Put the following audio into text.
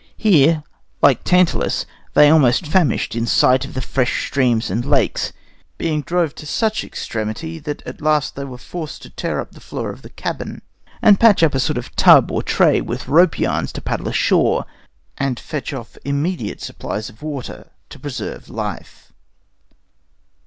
Here, like Tantalus, they almost famished in sight of the fresh streams and lakes, being drove to such extremity at last that they were forced to tear up the floor of the cabin and patch up a sort of tub or tray with rope yarns to paddle ashore and fetch off immediate supplies of water to preserve life.